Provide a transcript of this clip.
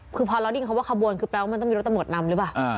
คือพอเราได้ยินคำว่าขบวนคือแปลว่ามันต้องมีรถตำรวจนำหรือเปล่า